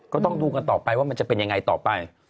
ก็ต้องดูกันต่อไปว่ามันจะเป็นยังไงต่อไป